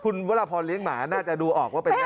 คุณพุระพรเลี้ยงหมาน่าจะดูออกว่าเป็นแม่มัน